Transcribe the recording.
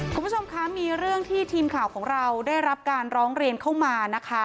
คุณผู้ชมคะมีเรื่องที่ทีมข่าวของเราได้รับการร้องเรียนเข้ามานะคะ